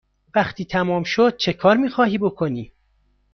وقتی تمام شد چکار می خواهی بکنی؟